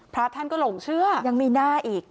พระท่านก็หลงเชื่อยังมีหน้าอีก